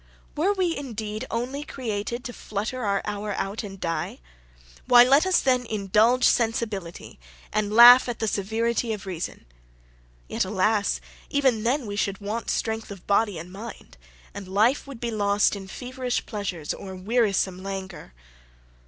Were we, indeed, only created to flutter our hour out and die why let us then indulge sensibility, and laugh at the severity of reason. Yet, alas! even then we should want strength of body and mind, and life would be lost in feverish pleasures or wearisome languor.